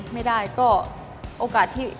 ไม่ได้ก็โอกาสที่